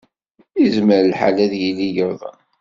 Yezmer lḥal ad yili yuḍen.